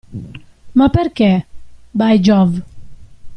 Ma perché, by Jove!